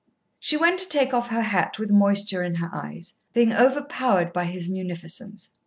She went to take off her hat with moisture in her eyes, being overpowered by his munificence.